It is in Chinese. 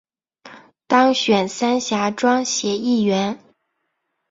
当选三峡庄协议员